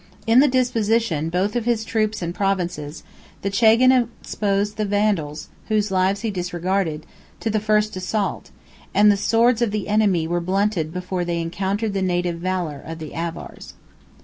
In the disposition both of his troops and provinces the chagan exposed the vassals, whose lives he disregarded, 33 to the first assault; and the swords of the enemy were blunted before they encountered the native valor of the Avars.